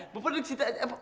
bapak duduk situ aja